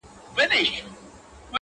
بیا خِلوت دی او بیا زه یم بیا ماښام دی،